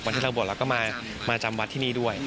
ที่เราบวชเราก็มาจำวัดที่นี่ด้วย